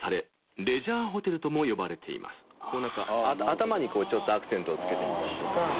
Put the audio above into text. こうなんか頭にちょっとアクセントをつけてみたりとか。